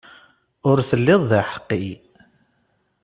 Ur telliḍ d aḥeqqi.